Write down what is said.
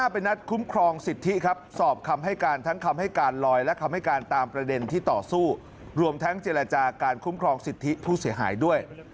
เป็นแหล่ะจากการคุ้มครองสิทธิผู้เสียหายด้วย